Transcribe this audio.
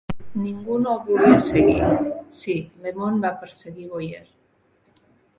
Ningú no el volia seguir... Sí, LeMond va perseguir Boyer.